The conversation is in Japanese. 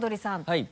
はい。